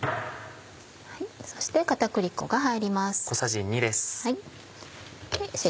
そして片栗粉が入ります。